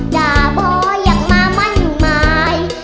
ด่าบ่อยอย่างมามั่นหมาย